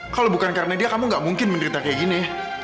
kalau bukan karena dia kamu gak mungkin menderita kayak gini